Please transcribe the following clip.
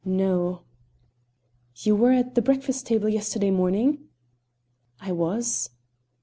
"No." "You were at the breakfast table yesterday morning?" "I was."